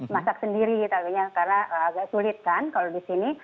masak sendiri tadinya karena agak sulit kan kalau di sini